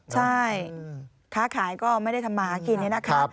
ใช่ค้าขายก็ไม่ได้ทำมากิน